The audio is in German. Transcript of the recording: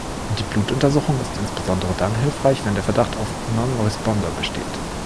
Die Blutuntersuchung ist insbesondere dann hilfreich, wenn der Verdacht auf „Non-Responder“ besteht.